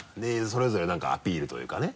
それぞれなんかアピールというかね。